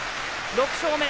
６勝目。